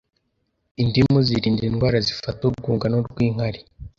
Indimu zirinda indwara zifata urwungano rw’inkari